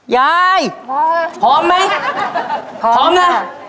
ยายพร้อมไหมพร้อมนะ